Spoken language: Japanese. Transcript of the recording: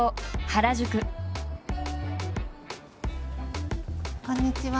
あっこんにちは。